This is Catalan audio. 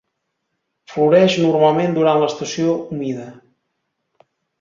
Floreix normalment durant l'estació humida.